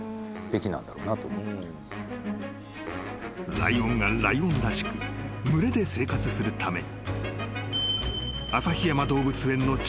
［ライオンがライオンらしく群れで生活するために］